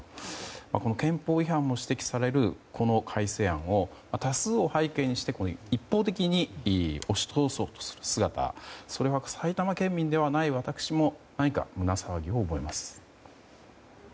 憲法違反も指摘される改正案を多数を背景にして、一方的に押し通そうとする姿は埼玉県民でない私も何か胸騒ぎを覚えます。